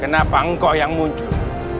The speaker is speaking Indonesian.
kenapa engkau yang muncul